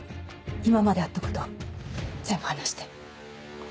今まであったこと全部話して。